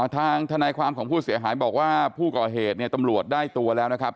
ทางทนายความของผู้เสียหายบอกว่าผู้ก่อเหตุเนี่ยตำรวจได้ตัวแล้วนะครับ